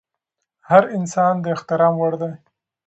هر انسان د احترام وړ دی.